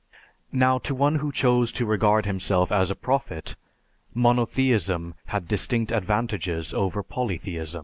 Now, to one who chose to regard himself as a prophet, Monotheism had distinct advantages over Polytheism."